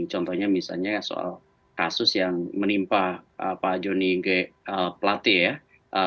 contohnya misalnya soal kasus yang menimpa pak joni g plate ya